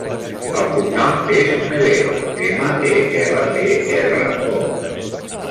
El cognom és Melero: ema, e, ela, e, erra, o.